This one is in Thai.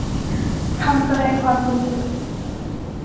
คำแสดงความยินดี